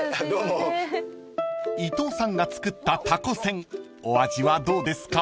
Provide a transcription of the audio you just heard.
［伊藤さんが作ったたこせんお味はどうですか？］